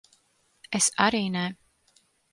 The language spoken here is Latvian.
Es arī ne.